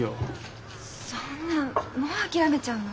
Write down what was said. そんなもう諦めちゃうの？